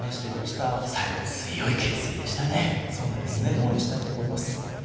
応援したいと思います。